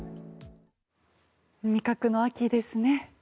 味覚の秋ですね。